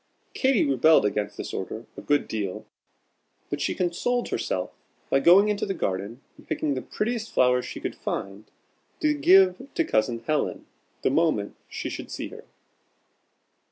Katy rebelled against this order a good deal, but she consoled herself by going into the garden and picking the prettiest flowers she could find, to give to Cousin Helen the moment she should see her.